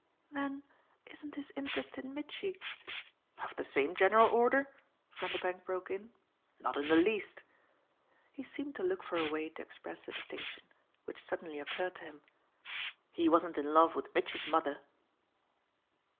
"Then isn't his interest in Mitchy " "Of the same general order?" Vanderbank broke in. "Not in the least." He seemed to look for a way to express the distinction which suddenly occurred to him. "He wasn't in love with Mitchy's mother."